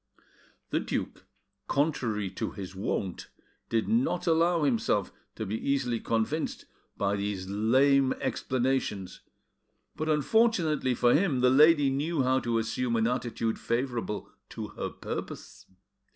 The duke, contrary to his wont, did not allow himself to be easily convinced by these lame explanations, but unfortunately for him the lady knew how to assume an attitude favourable to her purpose.